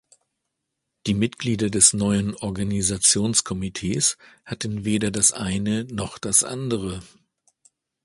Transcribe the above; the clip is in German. Die Mitglieder des neuen Organisationskomitees hatten weder das eine noch das andere.